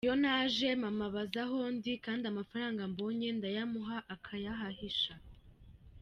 Iyo naje mama aba azi aho ndi kandi amafaranga mbonye ndayamuha akayahahisha.